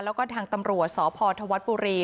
แล้วก็ทางตำรวจศพอร์ธะวัทย์ปุรี